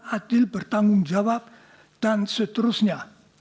adil bertanggung jawab dan seterusnya